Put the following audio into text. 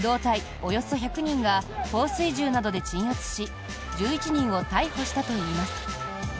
およそ１００人が放水銃などで鎮圧し１１人を逮捕したといいます。